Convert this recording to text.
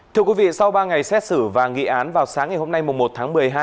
thưa quý vị sau ba ngày xét xử và nghị án vào sáng ngày hôm nay một tháng một mươi hai